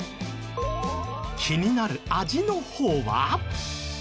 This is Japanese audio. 気になる味の方は？